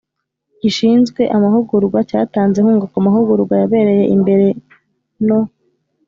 Gishinzwe Amahugurwa cyatanze inkunga ku mahugurwa yabereye imbere no